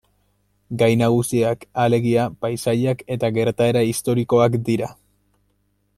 Gai nagusiak, alegia, paisaiak eta gertaera historikoak dira.